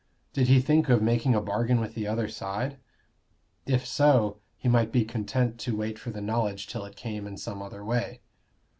Did he think of making a bargain with the other side? If so, he might be content to wait for the knowledge till it came in some other way.